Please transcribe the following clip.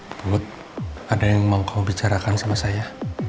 tersebut ada yang mau kau bicarakan sama saya